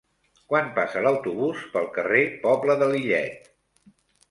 Quan passa l'autobús pel carrer Pobla de Lillet?